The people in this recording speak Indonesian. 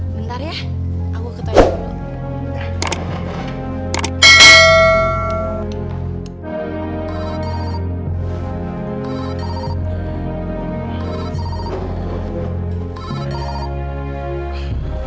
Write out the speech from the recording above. bentar ya aku ketanya dulu